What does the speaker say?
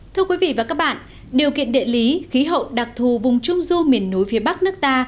thưa quý vị và các bạn điều kiện địa lý khí hậu đặc thù vùng trung du miền núi phía bắc nước ta